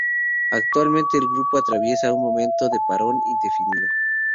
Actualmente el grupo atraviesa un momento de parón indefinido.